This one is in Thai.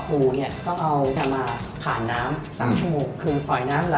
เดี๋ยวจะต้องเอาน้ำตามให้หมูคืน